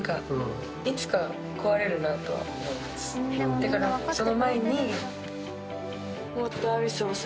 だからその前に。